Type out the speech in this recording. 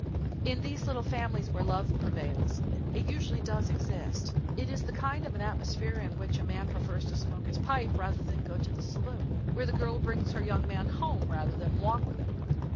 In these little families where love prevails it usually does exist. It is the kind of an atmosphere in which a man prefers to smoke his pipe rather than go to the saloon; where the girl brings her young man home rather than walk with him.